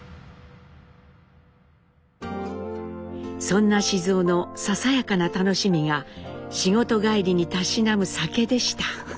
そんな雄のささやかな楽しみが仕事帰りにたしなむ酒でした。